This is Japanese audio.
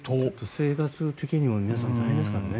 生活的にも皆さん大変ですからね。